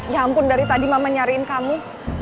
ya ampun dari tadi mama nyariin kamu